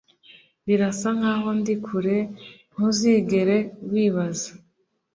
Birasa nkaho ndi kure Ntuzigere wibaza